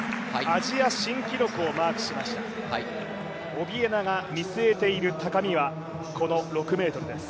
アジア新記録をマークしました、オビエナが見据えている高みはこの６ｍです。